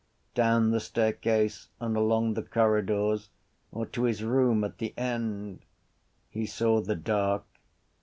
Down the staircase and along the corridors or to his room at the end? He saw the dark.